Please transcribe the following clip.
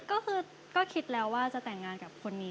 ก็คือก็คิดแล้วว่าจะแต่งงานกับคนนี้